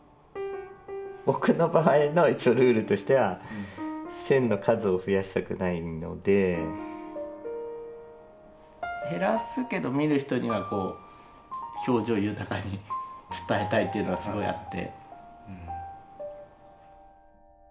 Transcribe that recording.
僕の場合の一応ルールとしては線の数を増やしたくないので減らすけど見る人にはこう表情豊かに伝えたいというのがすごいあって。